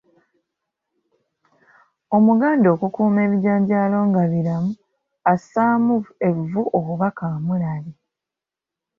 Omuganda okukuuma ebijanjaalo nga biramu assaamu evvu oba kaamulari.